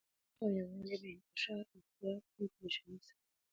اتفاق او يو والی ئي په انتشار، افتراق او پريشانۍ سره